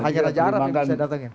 hanya raja arab yang bisa datangin